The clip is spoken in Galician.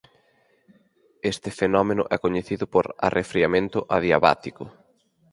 Este fenómeno é coñecido por arrefriamento adiabático.